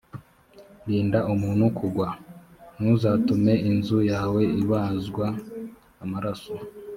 rinda umuntu kugwa: ntuzatume inzu yawe ibazwa amaraso